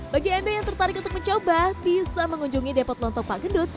bagi anda yang tertarik untuk mencoba bisa mengunjungi depot lontong pak gendut